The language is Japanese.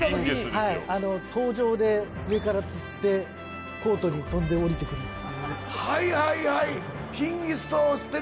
はい登場で上から吊ってコートに飛んで降りてくるっていう